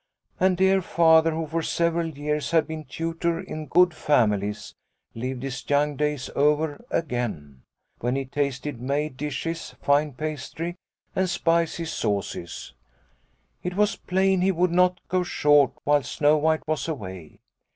And dear Father, who for several years had been tutor in good families, lived his young days over again, when he tasted made dishes, fine pastry, and spicy sauces. It was plain he would not go short whilst Snow White was away.